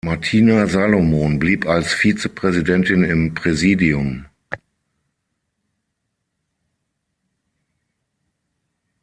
Martina Salomon blieb als Vizepräsidentin im Präsidium.